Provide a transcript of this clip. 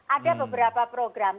ada beberapa program